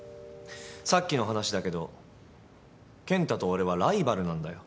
さっきの話だけど健太と俺はライバルなんだよ。